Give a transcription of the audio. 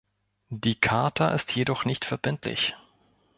Die Charta ist jedoch nicht verbindlich.